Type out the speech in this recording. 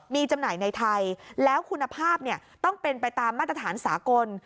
มีจำหน่ายในไทยแล้วคุณภาพต้องเป็นไปตามมาตรฐานสากล